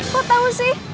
kok tau sih